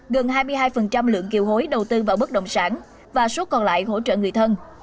gần hai mươi hai lượng kiều hối đầu tư vào bất động sản và số còn lại hỗ trợ người thân